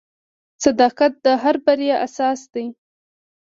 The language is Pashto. • صداقت د هر بریا اساس دی.